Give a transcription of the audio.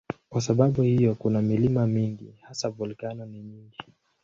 Kwa sababu hiyo kuna milima mingi, hasa volkeno ni nyingi.